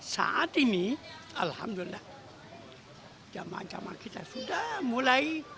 saat ini alhamdulillah jamaah jamaah kita sudah mulai